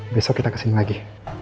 besok kita kesini lagi